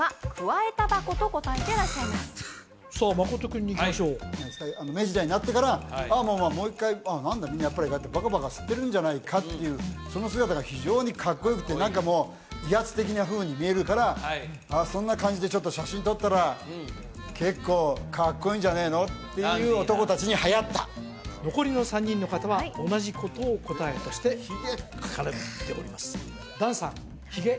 真君にいきましょう明治時代になってからああもう一回何だみんなやっぱりバカバカ吸ってるんじゃないかっていうその姿が非常にかっこよくて何かもう威圧的なふうに見えるからああそんな感じでちょっと写真撮ったら結構かっこいいんじゃねえのっていう男達にはやった残りの３人の方は同じことを答えとして書かれております檀さんヒゲ